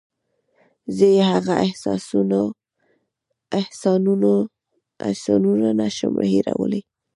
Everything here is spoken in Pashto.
زه یې هغه احسانونه نشم هېرولی.